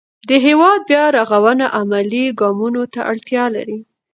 د هېواد بیا رغونه عملي ګامونو ته اړتیا لري.